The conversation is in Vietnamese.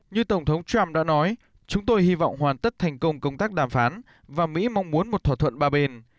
như tổng thống trump đã nói chúng tôi hy vọng hoàn tất thành công công tác đàm phán và mỹ mong muốn một thỏa thuận ba bên